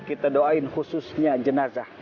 kita doain khususnya jenazah